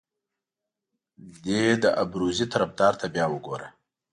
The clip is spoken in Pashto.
دې د ابروزي طرفدار ته بیا وګوره.